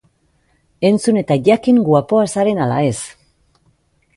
Entzun eta jakin guapoa zaren ala ez!